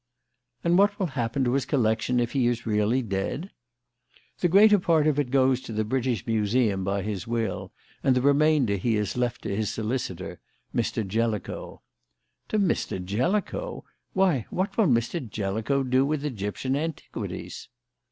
"And what will happen to his collection if he is really dead?" "The greater part of it goes to the British Museum by his will, and the remainder he has left to his solicitor, Mr. Jellicoe." "To Mr. Jellicoe! Why, what will Mr. Jellicoe do with Egyptian antiquities?"